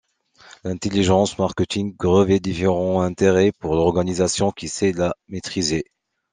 L’intelligence marketing revêt différents intérêts pour l’organisation qui sait la maîtriser.